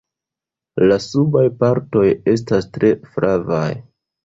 La subaj partoj estas tre flavaj.